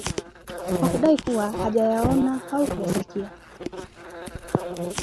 kwa kudai kuwa hajayaona au kuyasikia